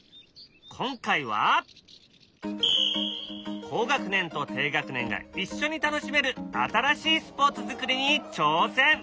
今回は高学年と低学年が一緒に楽しめる新しいスポーツ作りに挑戦！